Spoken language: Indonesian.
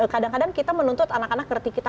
kadang kadang kita menuntut anak anak ngerti kita